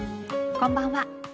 こんばんは。